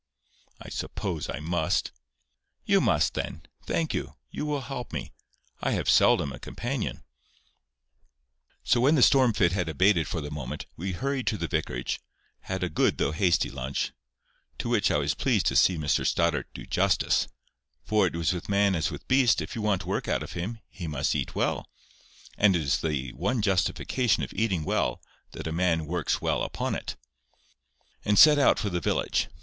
"I suppose I must." "You must, then. Thank you. You will help me. I have seldom a companion." So when the storm fit had abated for the moment, we hurried to the vicarage, had a good though hasty lunch, (to which I was pleased to see Mr Stoddart do justice; for it is with man as with beast, if you want work out of him, he must eat well—and it is the one justification of eating well, that a man works well upon it,) and set out for the village.